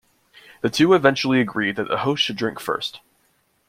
The two eventually agreed that the host should drink first.